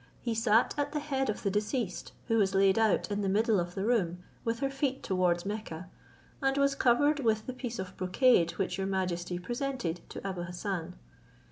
He sat at the head of the deceased, who was laid out in the middle of the room, with her feet towards Mecca, and was covered with the piece of brocade which your majesty presented to Abou Hassan.